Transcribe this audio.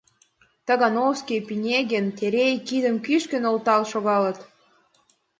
Тагановский, Пинегин, Терей кидым кӱшкӧ нӧлтал шогалыт.